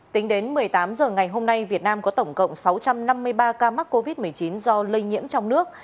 tính đến một mươi tám h ngày hôm nay việt nam có tổng cộng sáu trăm năm mươi ba ca mắc covid một mươi chín do lây nhiễm trong nước